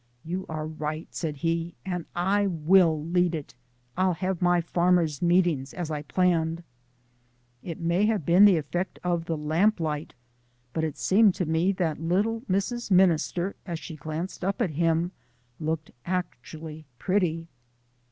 "You are right," said he; "and I WILL lead it. I'll have my farmers' meetings as I planned." It may have been the effect of the lamplight, but it seemed to me that little Mrs. Minister, as she glanced up at him, looked actually pretty.